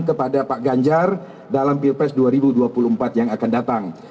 kepada pak ganjar dalam pilpres dua ribu dua puluh empat yang akan datang